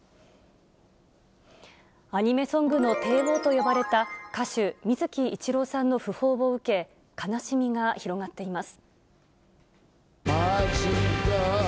アニメソングの帝王と呼ばれた歌手、水木一郎さんの訃報を受け、悲しみが広がっています。